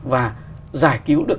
và giải cứu được